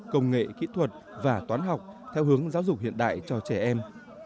công nghệ kỹ thuật và toán học theo hướng giáo dục hiện đại cho trẻ em